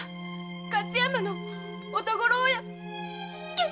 勝山の乙五郎親分。